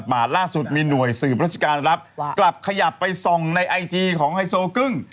มาล่าสุดมีหน่วยสืบราชการรับกลับขยับไปส่องในไอจีของไฮโซกึ้ง